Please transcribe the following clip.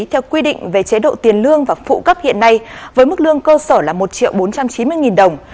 theo quy định về chế độ tiền lương và phụ cấp hiện nay với mức lương cơ sở là một triệu bốn trăm chín mươi nghìn đồng